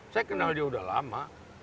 saya kenal dia udah lama